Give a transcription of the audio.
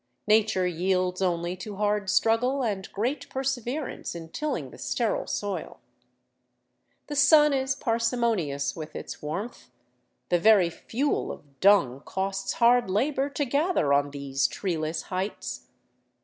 Nature yields only to hard struggle and great perseverance in tilling the sterile soil; the sun is parsimonious with its warmth; the very fuel of dung costs hard labor to gather on these treeless heights.